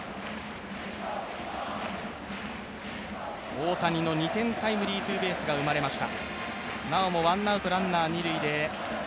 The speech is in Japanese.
大谷の２点タイムリーツーベースが生まれました。